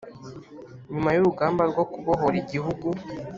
Nyuma y urugamba rwo kubohora Igihugu